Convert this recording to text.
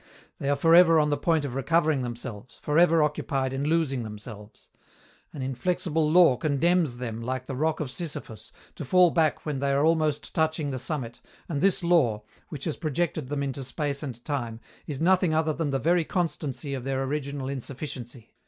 They are for ever on the point of recovering themselves, for ever occupied in losing themselves. An inflexible law condemns them, like the rock of Sisyphus, to fall back when they are almost touching the summit, and this law, which has projected them into space and time, is nothing other than the very constancy of their original insufficiency.